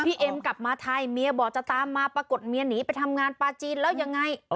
เอ็มกลับมาไทยเมียบอกจะตามมาปรากฏเมียหนีไปทำงานปลาจีนแล้วยังไง